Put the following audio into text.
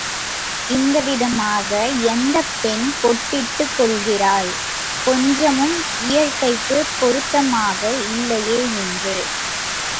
இந்தவிதமாக எந்தப் பெண் பொட்டிட்டுக் கொள்கிறாள், கொஞ்சமும் இயற்கைக்குப் பொருத்தமாக இல்லையே என்று.